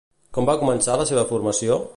Com va començar la seva formació?